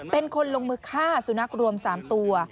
เป็นคนลงมือฆ่าสุนัขรวม๓ตัว